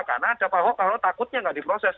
karena ada pak ahok kalau takutnya nggak diproses